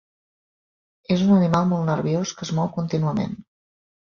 És un animal molt nerviós, que es mou contínuament.